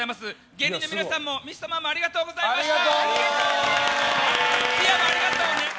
芸人の皆さんもミストマンもありがとうございました。